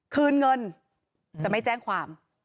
คืนเงินจะไม่แจ้งความ